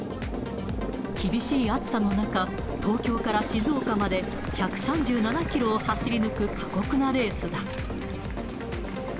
厳しい暑さの中、東京から静岡まで１３７キロを走り抜く過酷なレースだ。